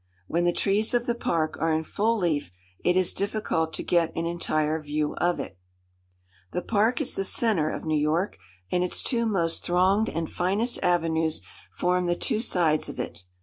When the trees of the park are in full leaf, it is difficult to get an entire view of it. The park is the centre of New York, and its two most thronged and finest avenues form the two sides of it.